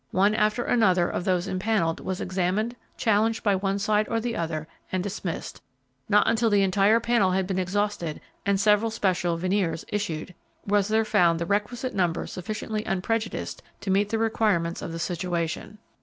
One after another of those impaneled was examined, challenged by one side or the other, and dismissed; not until the entire panel had been exhausted and several special venires issued, was there found the requisite number sufficiently unprejudiced to meet the requirements of the situation.